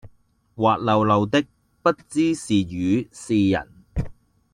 滑溜溜的不知是魚是人，